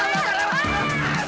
tidak tidak tidak